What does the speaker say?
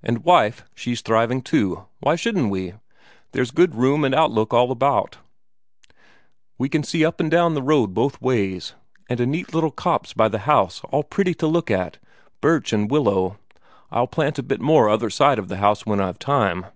And wife, she's thriving too, why shouldn't we? There's good room and outlook all about; we can see up and down the road both ways. And a neat little copse by the house all pretty to look at, birch and willow I'll plant a bit more other side of the house when I've time.